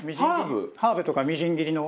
ハーブとかみじん切りの。